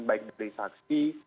baik dari saksi